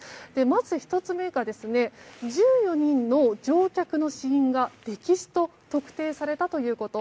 まず１つ目が１４人の乗客の死因が溺死と特定されたということ。